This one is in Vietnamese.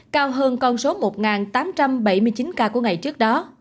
cao hơn con số một tám trăm bảy mươi chín ca của ngày trước đó